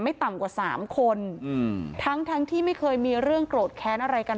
ต่ำกว่าสามคนอืมทั้งทั้งที่ไม่เคยมีเรื่องโกรธแค้นอะไรกัน